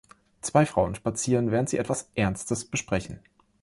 Zwei Frauen spazieren, während sie etwas Ernstes besprechen.